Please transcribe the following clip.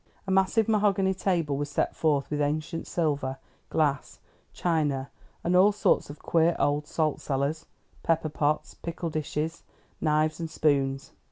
A massive mahogany table was set forth with ancient silver, glass, china, and all sorts of queer old salt cellars, pepper pots, pickle dishes, knives, and spoons.